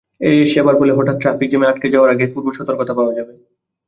এ সেবার ফলে হঠাৎ ট্রাফিক জ্যামে আটকে যাওয়ার আগেই পূর্বসতর্কতা পাওয়া যাবে।